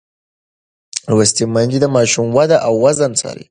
لوستې میندې د ماشوم وده او وزن څاري.